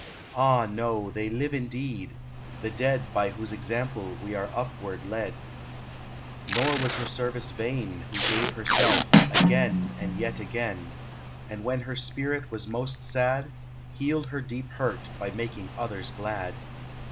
Ah, no ! They live indeed — the dead By whose example we are upward led ; Nor was her service vain Who gave herself — again and yet again — 112 IN MEMORY And when her spirit was most sad, Healed her deep hurt by making others glad.